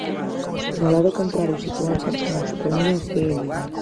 No lado contrario sitúanse as zonas da Coruña e Cee e Lugo.